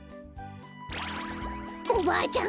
おばあちゃん！